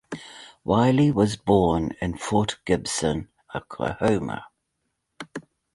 Wiley was born in Fort Gibson, Oklahoma.